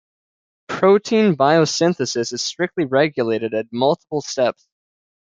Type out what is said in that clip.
Protein biosynthesis is strictly regulated at multiple steps.